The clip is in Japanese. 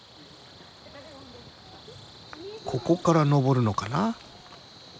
ここから登るのかな。